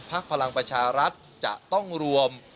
พลังประชารัฐจะต้องรวม